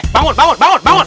bangun bangun bangun